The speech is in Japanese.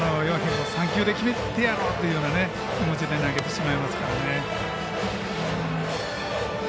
今も３球で切ってしまおうという気持ちで投げてしまいますからね。